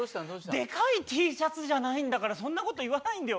でかいＴシャツじゃないんだから、そんなこと言わないでよ。